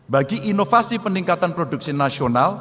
bagi inovasi peningkatan produkasi